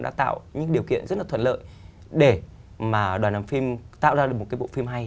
đã tạo những điều kiện rất là thuận lợi để mà đoàn làm phim tạo ra được một cái bộ phim hay